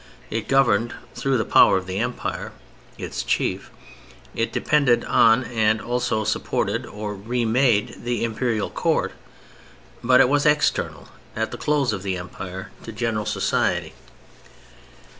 It governed (through the power of the Emperor, its chief); it depended on, and also supported or re made, the Imperial Court. But it was external, at the close of the Empire, to general society.